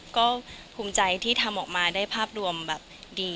ก็ภูมิใจที่ทำออกมาได้ภาพรวมแบบดี